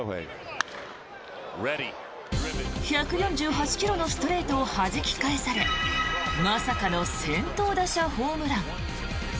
１４８ｋｍのストレートをはじき返されまさかの先頭打者ホームラン。